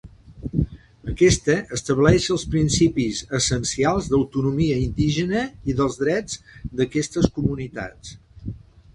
Aquesta estableix els principis essencials d'autonomia indígena i dels drets d'aquestes comunitats.